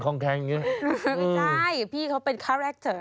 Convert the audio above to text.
ไม่ได้พี่เขาเป็นคาร์แรคเตอร์